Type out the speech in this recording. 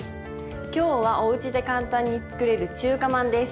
今日はおうちで簡単に作れる中華まんです。